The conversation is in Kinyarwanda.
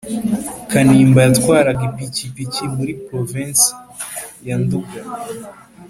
kanimba yatwaraga ipikipiki muri Provinsi ya Nduga.